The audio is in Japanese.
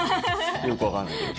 よくわかんないけど。